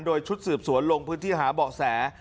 โดยชุดสืบสวนลงพื้นที่หาเบาะแส